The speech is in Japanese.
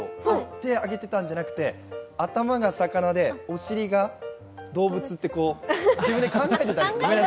手を上げてたんじゃなくて頭が魚でお尻が動物って、自分で考えてたんです。